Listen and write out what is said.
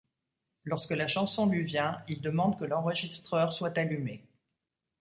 Lorsque la chanson lui vient, il demande que l'enregistreur soit allumé.